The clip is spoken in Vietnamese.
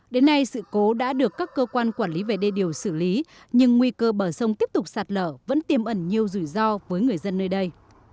đến nay sự cố đã được các cơ quan quản lý về đê điều xử lý nhưng nguy cơ bờ sông tiếp tục sạt lở vẫn tiêm ẩn nhiều rủi ro với người dân nơi đây